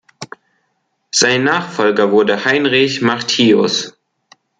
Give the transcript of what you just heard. Sein Nachfolger wurde Heinrich Martius.